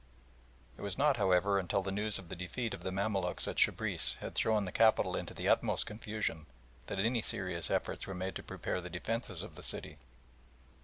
It was not, however, until the news of the defeat of the Mamaluks at Shebriss had thrown the capital into the utmost confusion, that any serious efforts were made to prepare the defences of the city.